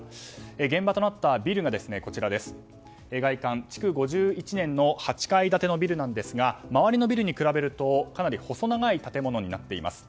現場となったビルが築５１年の８階建てのビルなんですが周りのビルに比べるとかなり細長い建物になっています。